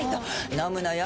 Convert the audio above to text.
飲むのよ